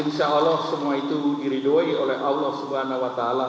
insya allah semua itu diridoi oleh allah swt